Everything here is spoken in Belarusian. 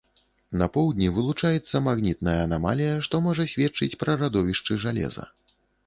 На поўдні вылучаецца магнітная анамалія, што можа сведчыць пра радовішчы жалеза.